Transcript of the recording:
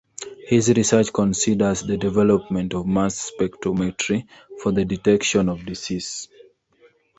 His research considers the development of mass spectrometry for the detection of disease.